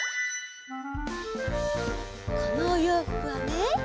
このおようふくはね